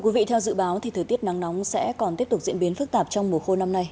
quý vị theo dự báo thì thời tiết nắng nóng sẽ còn tiếp tục diễn biến phức tạp trong mùa khô năm nay